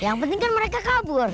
yang penting kan mereka kabur